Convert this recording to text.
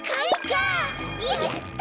やった！